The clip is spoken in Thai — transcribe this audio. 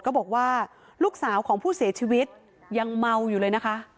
ก็บอกว่าลูกสาวของผู้เสียชีวิตยังเมาอยู่เลยนะคะ